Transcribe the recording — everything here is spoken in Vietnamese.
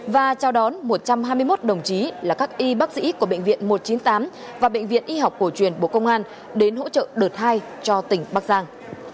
và trao đón một trăm hai mươi một đồng chí là các y bác sĩ của bệnh viện một trăm chín mươi tám và bệnh viện y học cổ truyền bộ công an đến hỗ trợ đợt hai cho tỉnh bắc giang